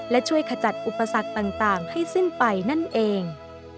และช่วยขจัดอุปสรรคต่างให้สิ้นไปนั่นเอง